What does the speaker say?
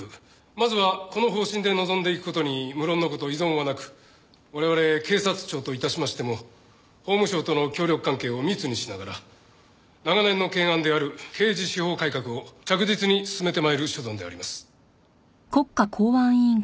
まずはこの方針で臨んでいく事に無論の事異存はなく我々警察庁と致しましても法務省との協力関係を密にしながら長年の懸案である刑事司法改革を着実に進めて参る所存であります。